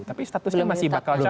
tapi statusnya masih bakal calon